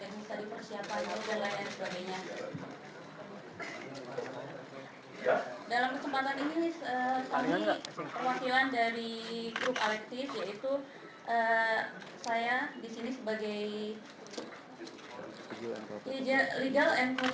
assalamualaikum warahmatullahi wabarakatuh